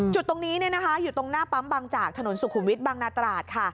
จุดตรงนี้เนี้ยนะคะอยู่ตรงหน้าปั๊มบังจากถนนสุขุมวิทบังนาตราชค่ะ